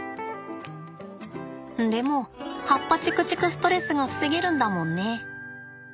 でも葉っぱちくちくストレスが防げるんだもんね。